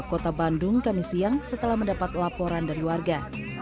kota bandung kami siang setelah mendapat laporan dari warga